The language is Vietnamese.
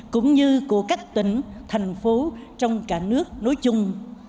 cũng như của các tỉnh thành phố trong cả nước nói chung